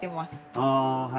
あはい。